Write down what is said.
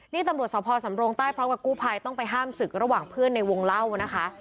นี่ตำรวจสภสำรงใต้พร้อมกับกู้ภัยต้องไปห้ามศึกระหว่างเพื่อนในวงเล่านะคะ